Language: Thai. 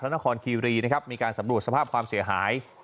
นครคีรีนะครับมีการสำรวจสภาพความเสียหาย